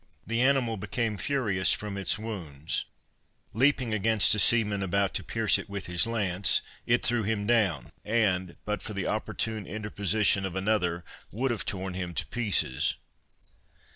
The animal became furious from its wounds; leaping against a seaman, about to pierce it with his lance, it threw him down, and, but for the opportune interposition of another, would have torn him to pieces.